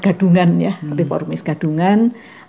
gadungan ya reformis gadungan